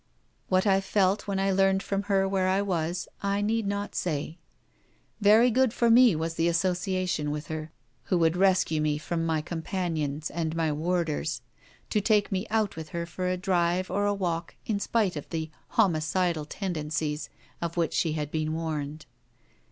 What I felt when I learned from her where I was, I need not say. Very good for me was the association with her, who would rescue me from my companions and my warders, to take me out with her for a drive or a walk, in spite of the 'homicidal' tendencies of which she had been warned.